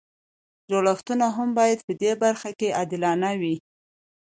جوړښتونه هم باید په دې برخه کې عادلانه وي.